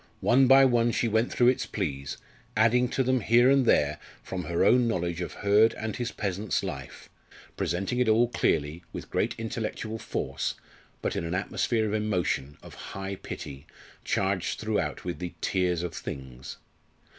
One by one she went through its pleas, adding to them here and there from her own knowledge of Hurd and his peasant's life presenting it all clearly, with great intellectual force, but in an atmosphere of emotion, of high pity, charged throughout with the "tears of things."